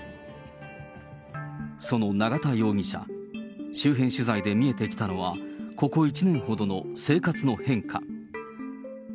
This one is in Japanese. その永田容疑者、周辺取材で見えてきたのは、ここ１年ほどの生活の変化。